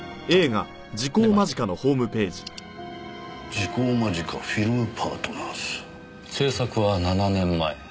「『時効間近』フィルムパートナーズ」制作は７年前。